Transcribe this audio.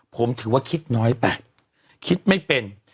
ผมถือว่าคิดน้อยไปคิดไม่เป็น